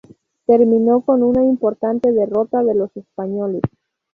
Terminó con una importante derrota de los españoles.